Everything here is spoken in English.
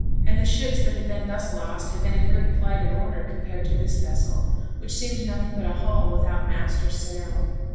And the ships that had been thus lost had been in good plight and order compared to this vessel, which seemed nothing but a hull without mast or sail.